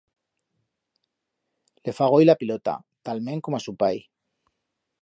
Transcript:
Le fa goi la pilota, talment como a su pai.